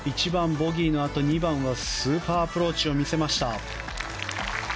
１番、ボギーのあと２番はスーパーアプローチを見せました。